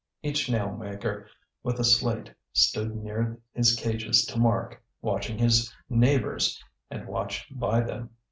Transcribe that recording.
Each nail maker with a slate stood near his cages to mark, watching his neighbours and watched by them.